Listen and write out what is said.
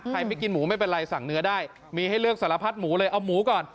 ไม่กินหมูไม่เป็นไรสั่งเนื้อได้มีให้เลือกสารพัดหมูเลยเอาหมูก่อน